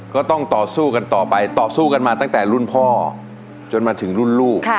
ก็ต้องต่อสู้กันต่อไปต่อสู้กันมาตั้งแต่รุ่นพ่อจนมาถึงรุ่นลูก